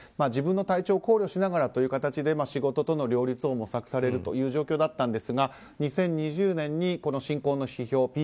自分の体調を考慮しながらという形で仕事との両立を模索される状況だったんですが２０２０年に進行の指標